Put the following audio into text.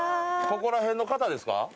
ここら辺の方ですか？